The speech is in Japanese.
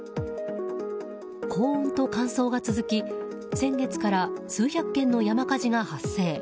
高温と乾燥が続き先月から数百件の山火事が発生。